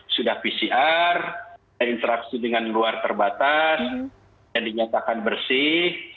sudah pcr dan interaksi dengan luar terbatas dan dinyatakan bersih